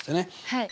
はい。